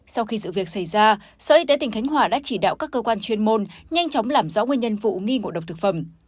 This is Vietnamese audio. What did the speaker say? sau khi sự việc xảy ra sở y tế tỉnh khánh hòa đã chỉ đạo các cơ quan chuyên môn nhanh chóng làm rõ nguyên nhân vụ nghi ngộ độc thực phẩm